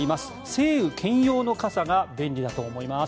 晴雨兼用の傘が便利だと思います。